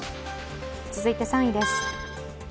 続いて３位です。